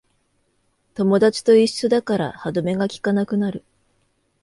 友達と一緒だから歯止めがきかなくなる